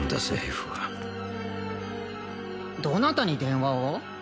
政府はどなたに電話を？